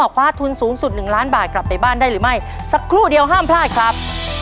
คว้าทุนสูงสุด๑ล้านบาทกลับไปบ้านได้หรือไม่สักครู่เดียวห้ามพลาดครับ